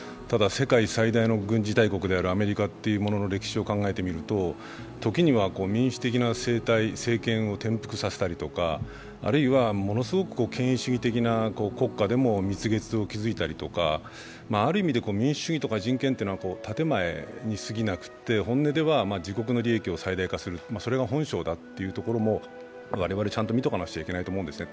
、世界最大の軍事大国であるアメリカの歴史を考えてみると時には民主的な政権を転覆させたりとか、あるいはものすごく権威主義的な国家でも蜜月を築いたりとか、ある意味、民主主義とか人権は建て前にすぎなくて、本音では自国の利益を最大化する、それが本性だっていうところも我々、ちゃんと見ていかなくちゃいけないと思うんですね。